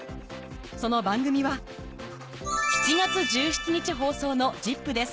その番組は７月１７日放送の『ＺＩＰ！』です